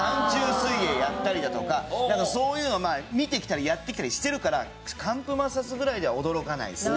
水泳やったりだとかそういうのを見てきたりやってきたりしてるから乾布摩擦ぐらいでは驚かないですね。